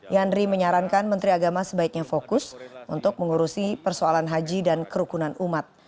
yandri menyarankan menteri agama sebaiknya fokus untuk mengurusi persoalan haji dan kerukunan umat